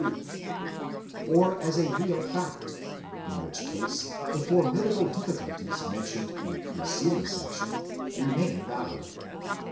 2), or as a real fact, in which case the formidable difficulties mentioned in the preceding section remain valid.